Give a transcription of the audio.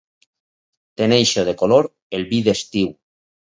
Tenyeixo de color el vi d'estiu.